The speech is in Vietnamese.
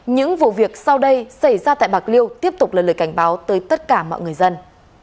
những vụ việc sau đây xảy ra tại bạc liêu tiếp tục là lời cảnh báo tới tất cả mọi người dân